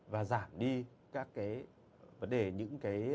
và giảm đi các cái vấn đề những cái con về da súc